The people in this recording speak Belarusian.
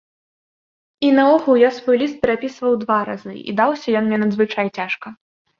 І наогул, я свой ліст перапісваў два разы і даўся ён мне надзвычай цяжка.